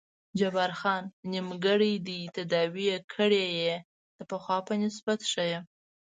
جبار خان: نیمګړی دې تداوي کړی یې، د پخوا په نسبت ښه یم.